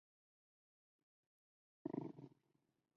全部站台面均设有屏蔽门。